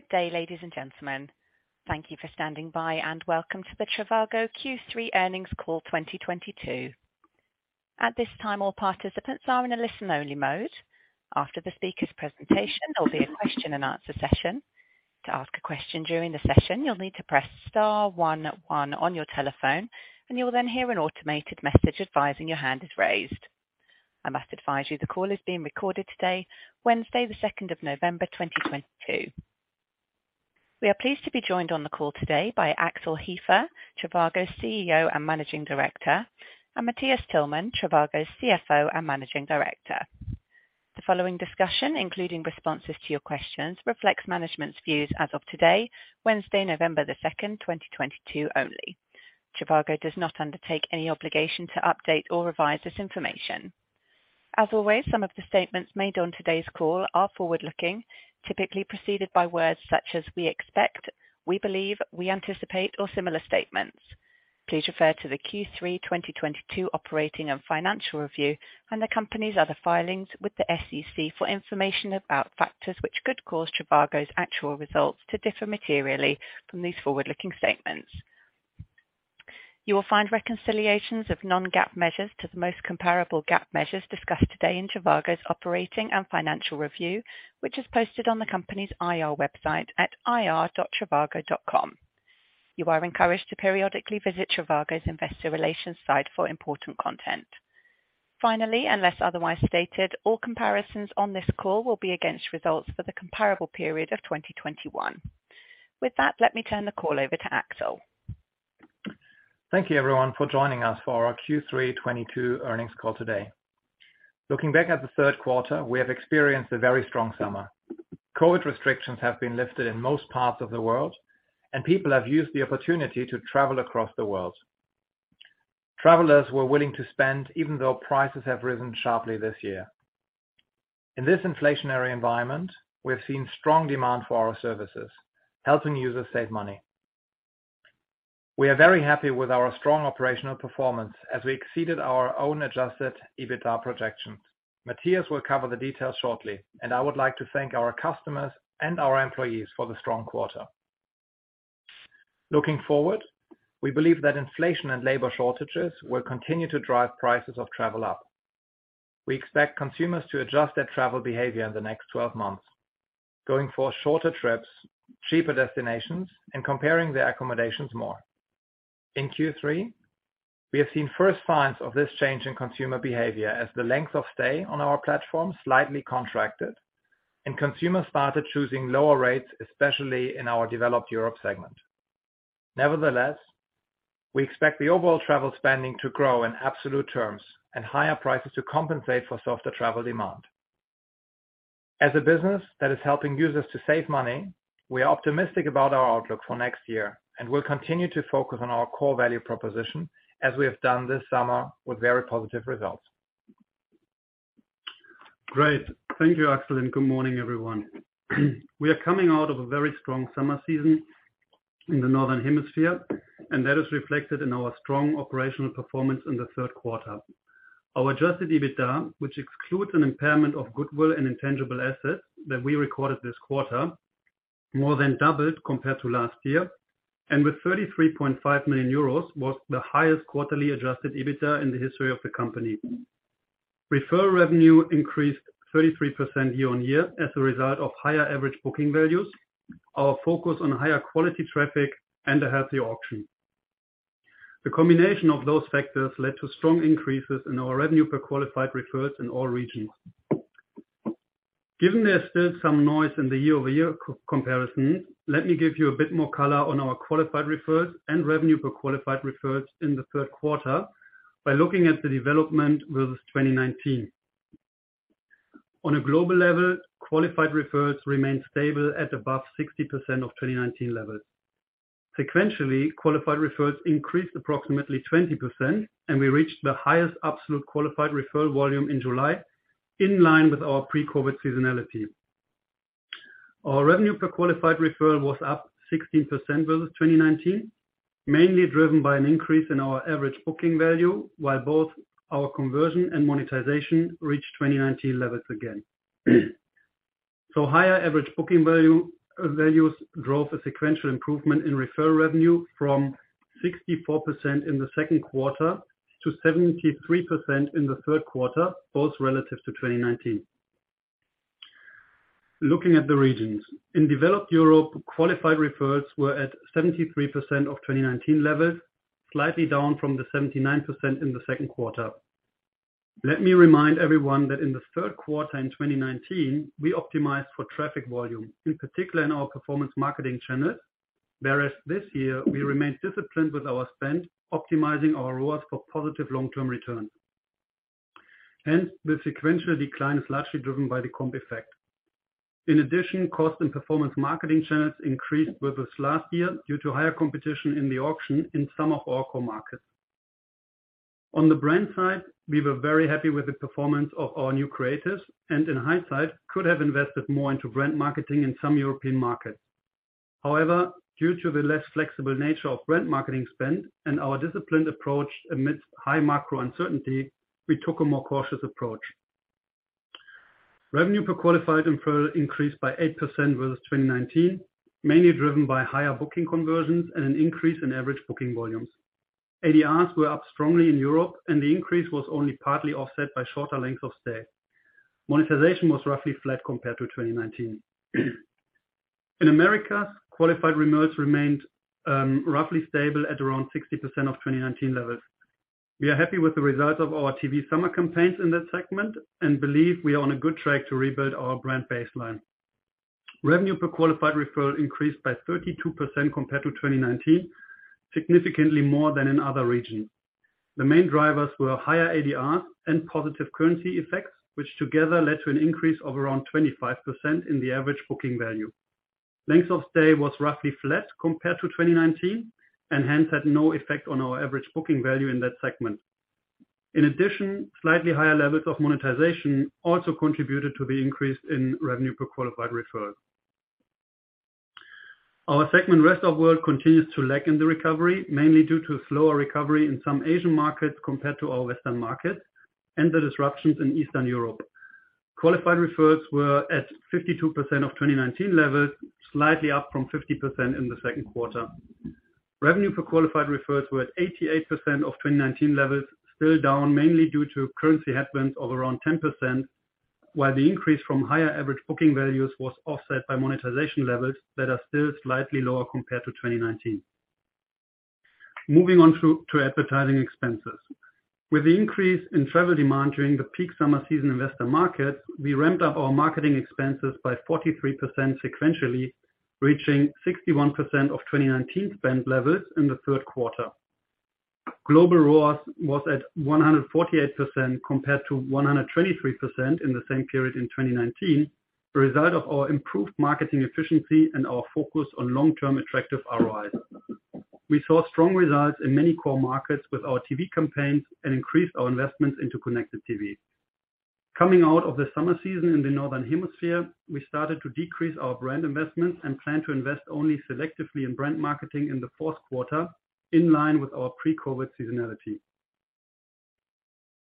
Good day, ladies and gentlemen. Thank you for standing by and welcome to the trivago Q3 earnings call 2022. At this time, all participants are in a listen only mode. After the speaker's presentation, there will be a question and answer session. To ask a question during the session, you'll need to press star one one on your telephone and you will then hear an automated message advising your hand is raised. I must advise you the call is being recorded today, Wednesday the 2nd of November, 2022. We are pleased to be joined on the call today by Axel Hefer, trivago CEO and Managing Director, and Matthias Tillmann, trivago CFO and Managing Director. The following discussion, including responses to your questions, reflects management's views as of today, Wednesday, November the second, 2022 only. trivago does not undertake any obligation to update or revise this information. As always, some of the statements made on today's call are forward-looking, typically preceded by words such as we expect, we believe, we anticipate or similar statements. Please refer to the Q3 2022 operating and financial review and the company's other filings with the SEC for information about factors which could cause trivago's actual results to differ materially from these forward-looking statements. You will find reconciliations of non-GAAP measures to the most comparable GAAP measures discussed today in trivago's operating and financial review, which is posted on the company's IR website at ir.trivago.com. You are encouraged to periodically visit trivago's investor relations site for important content. Finally, unless otherwise stated, all comparisons on this call will be against results for the comparable period of 2021. With that, let me turn the call over to Axel. Thank you everyone for joining us for our Q3 2022 earnings call today. Looking back at the third quarter, we have experienced a very strong summer. COVID restrictions have been lifted in most parts of the world, and people have used the opportunity to travel across the world. Travelers were willing to spend, even though prices have risen sharply this year. In this inflationary environment, we have seen strong demand for our services, helping users save money. We are very happy with our strong operational performance as we exceeded our own adjusted EBITDA projections. Matthias will cover the details shortly, and I would like to thank our customers and our employees for the strong quarter. Looking forward, we believe that inflation and labor shortages will continue to drive prices of travel up. We expect consumers to adjust their travel behavior in the next 12 months, going for shorter trips, cheaper destinations, and comparing their accommodations more. In Q3, we have seen first signs of this change in consumer behavior as the length of stay on our platform slightly contracted and consumers started choosing lower rates, especially in our developed Europe segment. Nevertheless, we expect the overall travel spending to grow in absolute terms and higher prices to compensate for softer travel demand. As a business that is helping users to save money, we are optimistic about our outlook for next year and will continue to focus on our core value proposition as we have done this summer with very positive results. Great. Thank you, Axel, and good morning, everyone. We are coming out of a very strong summer season in the northern hemisphere, and that is reflected in our strong operational performance in the third quarter. Our adjusted EBITDA, which excludes an impairment of goodwill and intangible assets that we recorded this quarter, more than doubled compared to last year, and with 33.5 million euros, was the highest quarterly adjusted EBITDA in the history of the company. Referral revenue increased 33% year-on-year as a result of higher average booking values, our focus on higher quality traffic and a healthy auction. The combination of those factors led to strong increases in our revenue per qualified referrals in all regions. Given there's still some noise in the year-over-year comparison, let me give you a bit more color on our qualified referrals and revenue per qualified referrals in the third quarter by looking at the development versus 2019. On a global level, qualified referrals remained stable at above 60% of 2019 levels. Sequentially, qualified referrals increased approximately 20% and we reached the highest absolute qualified referral volume in July, in line with our pre-COVID seasonality. Our revenue per qualified referral was up 16% versus 2019, mainly driven by an increase in our average booking value, while both our conversion and monetization reached 2019 levels again. Higher average booking value values drove a sequential improvement in referral revenue from 64% in the second quarter to 73% in the third quarter, both relative to 2019. Looking at the regions. In developed Europe, qualified referrals were at 73% of 2019 levels, slightly down from the 79% in the second quarter. Let me remind everyone that in the third quarter in 2019, we optimized for traffic volume, in particular in our performance marketing channels. Whereas this year we remained disciplined with our spend, optimizing our rewards for positive long-term returns. Hence, the sequential decline is largely driven by the comp effect. In addition, costs in performance marketing channels increased versus last year due to higher competition in the auction in some of our core markets. On the brand side, we were very happy with the performance of our new creatives and in hindsight, could have invested more into brand marketing in some European markets. However, due to the less flexible nature of brand marketing spend and our disciplined approach amidst high macro uncertainty, we took a more cautious approach. Revenue per qualified referral increased by 8% versus 2019, mainly driven by higher booking conversions and an increase in average booking volumes. ADRs were up strongly in Europe and the increase was only partly offset by shorter length of stay. Monetization was roughly flat compared to 2019. In Americas, qualified referrals remained roughly stable at around 60% of 2019 levels. We are happy with the results of our TV summer campaigns in that segment and believe we are on a good track to rebuild our brand baseline. Revenue per qualified referral increased by 32% compared to 2019, significantly more than in other regions. The main drivers were higher ADRs and positive currency effects, which together led to an increase of around 25% in the average booking value. Length of stay was roughly flat compared to 2019 and hence had no effect on our average booking value in that segment. In addition, slightly higher levels of monetization also contributed to the increase in revenue per qualified referral. Our segment Rest of World continues to lag in the recovery, mainly due to slower recovery in some Asian markets compared to our Western markets and the disruptions in Eastern Europe. Qualified referrals were at 52% of 2019 levels, slightly up from 50% in the second quarter. Revenue per qualified referrals were at 88% of 2019 levels, still down mainly due to currency headwinds of around 10%, while the increase from higher average booking values was offset by monetization levels that are still slightly lower compared to 2019. Moving on to advertising expenses. With the increase in travel demand during the peak summer season in Western markets, we ramped up our marketing expenses by 43% sequentially, reaching 61% of 2019 spend levels in the third quarter. Global ROAS was at 148% compared to 123% in the same period in 2019, a result of our improved marketing efficiency and our focus on long-term attractive ROIs. We saw strong results in many core markets with our TV campaigns and increased our investments into Connected TV. Coming out of the summer season in the northern hemisphere, we started to decrease our brand investments and plan to invest only selectively in brand marketing in the fourth quarter, in line with our pre-COVID seasonality.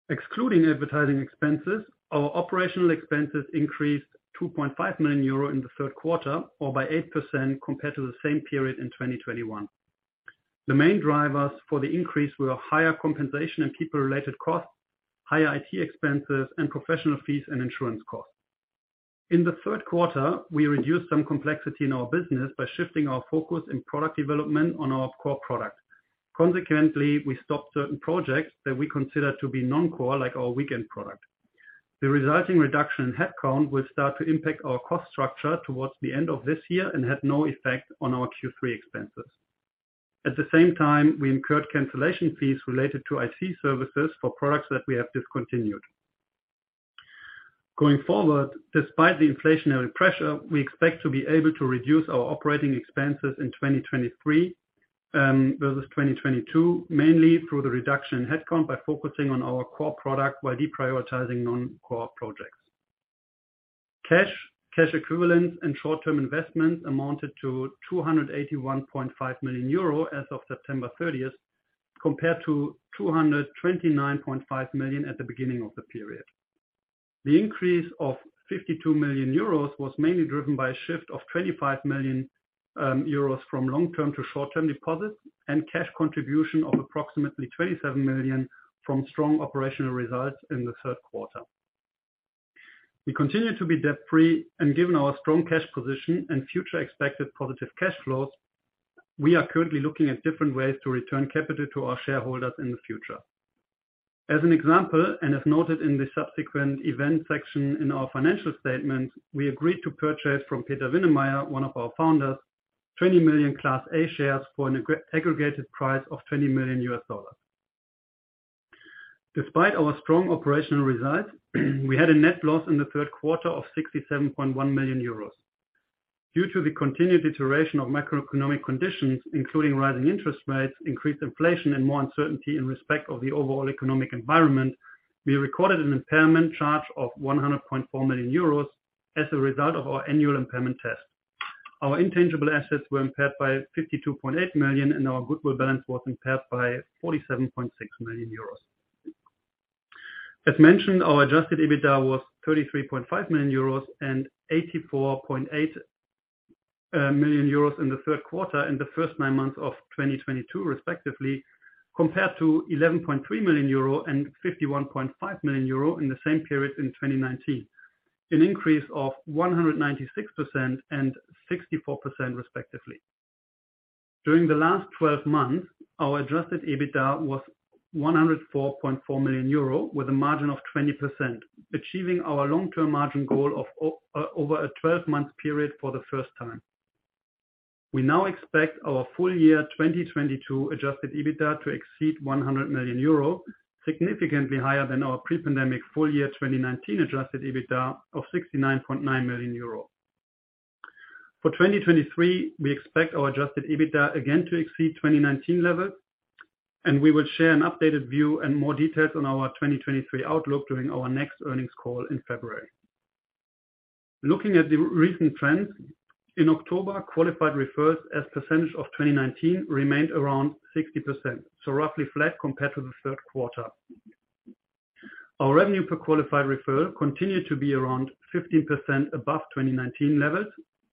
Excluding advertising expenses, our operational expenses increased 2.5 million euro in the third quarter, or by 8% compared to the same period in 2021. The main drivers for the increase were higher compensation and people-related costs, higher IT expenses, and professional fees and insurance costs. In the third quarter, we reduced some complexity in our business by shifting our focus in product development on our core product. Consequently, we stopped certain projects that we consider to be non-core, like our trivago Weekend. The resulting reduction in headcount will start to impact our cost structure towards the end of this year and had no effect on our Q3 expenses. At the same time, we incurred cancellation fees related to IT services for products that we have discontinued. Going forward, despite the inflationary pressure, we expect to be able to reduce our operating expenses in 2023 versus 2022, mainly through the reduction in headcount by focusing on our core product while deprioritizing non-core projects. Cash, cash equivalents, and short-term investments amounted to 281.5 million euro as of September 30th, compared to 229.5 million at the beginning of the period. The increase of 52 million euros was mainly driven by a shift of 25 million euros from long-term to short-term deposits and cash contribution of approximately 27 million from strong operational results in the third quarter. We continue to be debt-free and given our strong cash position and future expected positive cash flows, we are currently looking at different ways to return capital to our shareholders in the future. As an example, and as noted in the subsequent event section in our financial statement, we agreed to purchase from Peter Vinnemeier, one of our founders, 20 million Class A shares for an aggregated price of $20 million. Despite our strong operational results, we had a net loss in the third quarter of 67.1 million euros. Due to the continued deterioration of macroeconomic conditions, including rising interest rates, increased inflation, and more uncertainty in respect of the overall economic environment, we recorded an impairment charge of 100.4 million euros as a result of our annual impairment test. Our intangible assets were impaired by 52.8 million, and our goodwill balance was impaired by 47.6 million euros. As mentioned, our adjusted EBITDA was 33.5 million euros and 84.8 million euros in the third quarter in the first nine months of 2022 respectively, compared to 11.3 million euro and 51.5 million euro in the same period in 2019. An increase of 196% and 64% respectively. During the last twelve months, our adjusted EBITDA was 104.4 million euro with a margin of 20%, achieving our long-term margin goal of over a twelve-month period for the first time. We now expect our full year 2022 adjusted EBITDA to exceed 100 million euro, significantly higher than our pre-pandemic full year 2019 adjusted EBITDA of 69.9 million euro. For 2023, we expect our adjusted EBITDA again to exceed 2019 levels, and we will share an updated view and more details on our 2023 outlook during our next earnings call in February. Looking at the recent trends, in October, qualified referrals as percentage of 2019 remained around 60%, so roughly flat compared to the third quarter. Our revenue per qualified referral continued to be around 15% above 2019 levels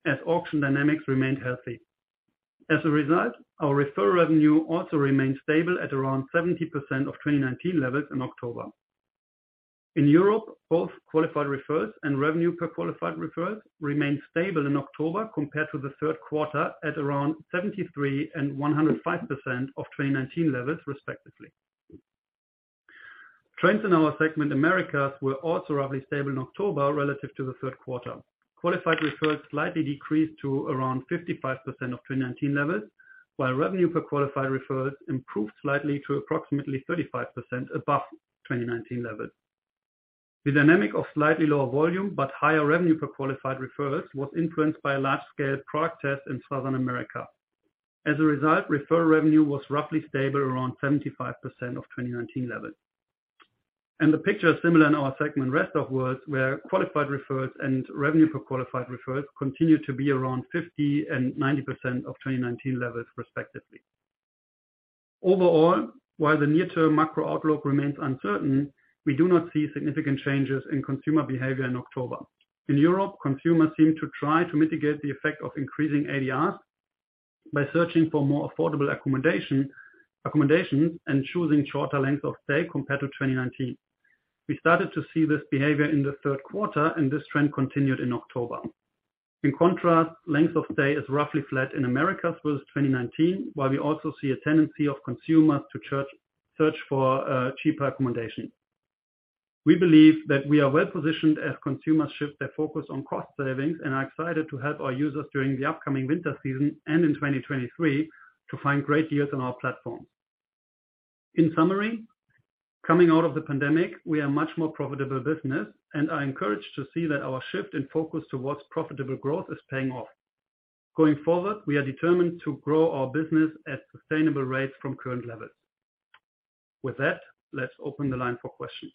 as auction dynamics remained healthy. As a result, our referral revenue also remained stable at around 70% of 2019 levels in October. In Europe, both qualified referrals and revenue per qualified referrals remained stable in October compared to the third quarter at around 73% and 105% of 2019 levels respectively. Trends in our segment Americas were also roughly stable in October relative to the third quarter. Qualified referrals slightly decreased to around 55% of 2019 levels, while revenue per qualified referrals improved slightly to approximately 35% above 2019 levels. The dynamic of slightly lower volume but higher revenue per qualified referrals was influenced by a large-scale product test in South America. As a result, referral revenue was roughly stable around 75% of 2019 levels. The picture is similar in our segment rest of world, where qualified referrals and revenue per qualified referrals continued to be around 50% and 90% of 2019 levels respectively. Overall, while the near-term macro outlook remains uncertain, we do not see significant changes in consumer behavior in October. In Europe, consumers seem to try to mitigate the effect of increasing ADRs by searching for more affordable accommodation, accommodations and choosing shorter length of stay compared to 2019. We started to see this behavior in the third quarter, and this trend continued in October. In contrast, length of stay is roughly flat in Americas versus 2019, while we also see a tendency of consumers to search for cheaper accommodation. We believe that we are well positioned as consumers shift their focus on cost savings and are excited to help our users during the upcoming winter season and in 2023 to find great deals on our platform. In summary, coming out of the pandemic, we are much more profitable business and are encouraged to see that our shift in focus towards profitable growth is paying off. Going forward, we are determined to grow our business at sustainable rates from current levels. With that, let's open the line for questions.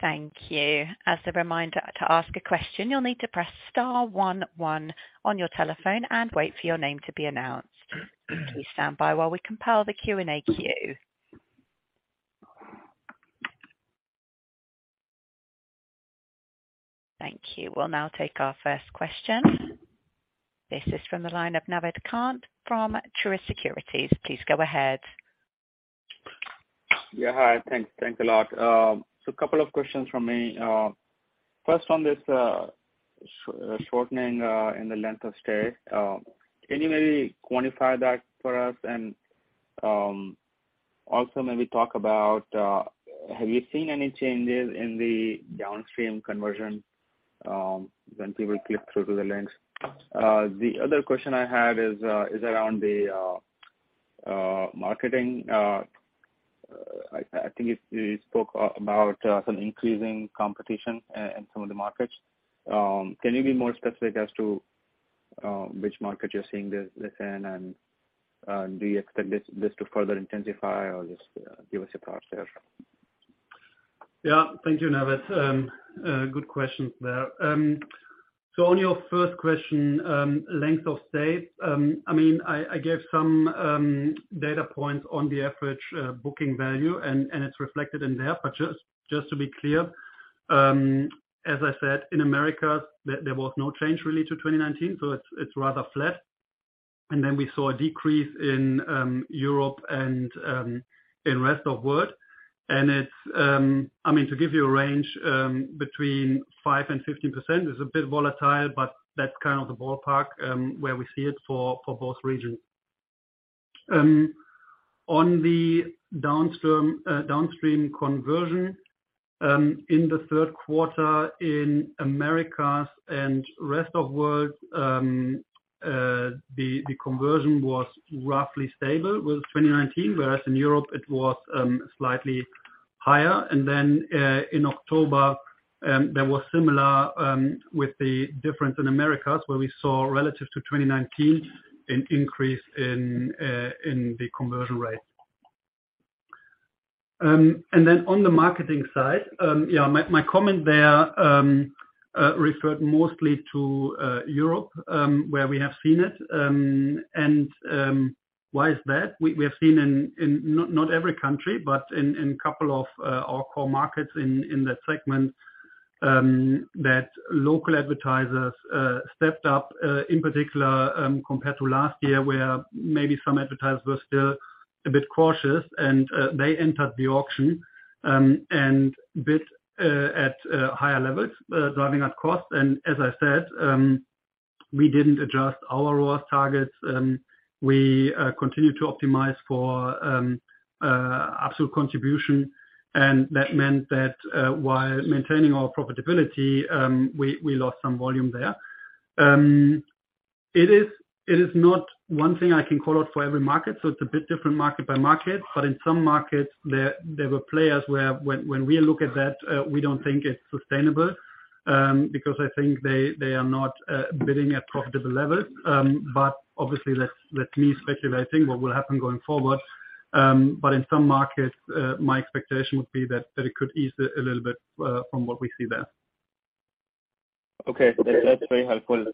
Thank you. As a reminder to ask a question, you'll need to press star one one on your telephone and wait for your name to be announced. Please stand by while we compile the Q&A queue. Thank you. We'll now take our first question. This is from the line of Naved Khan from Truist Securities. Please go ahead. Yeah. Hi. Thanks a lot. A couple of questions from me. First, on this shortening in the length of stay. Can you maybe quantify that for us? Also, maybe talk about have you seen any changes in the downstream conversion when people click through to the links? The other question I had is around the marketing. I think you spoke about some increasing competition in some of the markets. Can you be more specific as to which market you're seeing this in? Do you expect this to further intensify or just give us a prognosis? Yeah. Thank you, Naved. Good questions there. So on your first question, length of stay, I mean, I gave some data points on the average booking value and it's reflected in there. Just to be clear, as I said, in America, there was no change really to 2019, so it's rather flat. Then we saw a decrease in Europe and in rest of world. I mean, to give you a range between 5% and 15%. It's a bit volatile, but that's kind of the ballpark where we see it for both regions. On the downstream conversion in the third quarter in Americas and Rest of World, the conversion was roughly stable with 2019, whereas in Europe it was slightly higher. In October, that was similar, with the difference in Americas, where we saw relative to 2019 an increase in the conversion rate. On the marketing side, yeah, my comment there referred mostly to Europe, where we have seen it. Why is that? We have seen in not every country, but in a couple of our core markets in that segment, that local advertisers stepped up, in particular, compared to last year, where maybe some advertisers were still a bit cautious and they entered the auction, and bid at higher levels, driving up costs. As I said, we didn't adjust our ROAS targets. We continued to optimize for absolute contribution, and that meant that, while maintaining our profitability, we lost some volume there. It is not one thing I can call out for every market, so it's a bit different market by market. In some markets there were players where when we look at that, we don't think it's sustainable, because I think they are not bidding at profitable levels. Obviously that's me speculating what will happen going forward. In some markets, my expectation would be that it could ease a little bit, from what we see there. Okay. Okay. That's very helpful.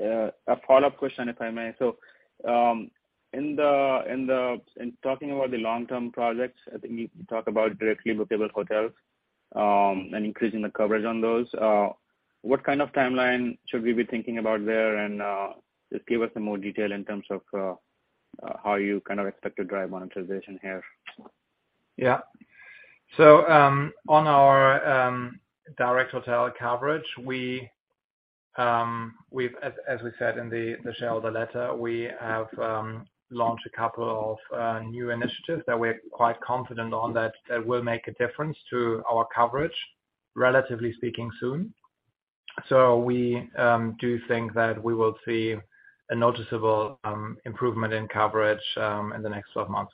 A follow-up question, if I may. In talking about the long-term projects, I think you talk about directly bookable hotels, and increasing the coverage on those. What kind of timeline should we be thinking about there? Just give us some more detail in terms of how you kind of expect to drive monetization here. Yeah. On our direct hotel coverage, we, as we said in the shareholder letter, have launched a couple of new initiatives that we're quite confident on that will make a difference to our coverage, relatively speaking, soon. We do think that we will see a noticeable improvement in coverage in the next 12 months.